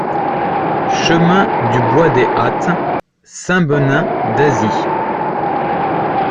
Chemin du Bois des Hâtes, Saint-Benin-d'Azy